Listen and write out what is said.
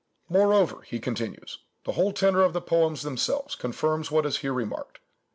"Moreover," he continues, "the whole tenor of the poems themselves confirms what is here remarked.